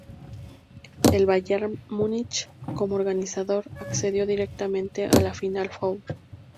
El Bayern Munich como organizador accedió directamente a la Final Four.